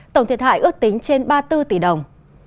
tổng thiệt hại ước tính trên ba mươi bốn tỷ đồng